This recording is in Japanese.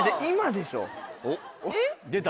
出た。